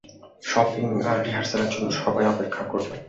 Shopping আর রিহার্সালের জন্য, সবাই অপেক্ষা করছে, বাই।